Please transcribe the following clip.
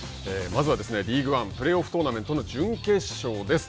まずはリーグワンプレーオフトーナメントの準決勝です。